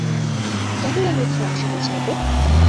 কেন আমি খারাপ সময় চাইব?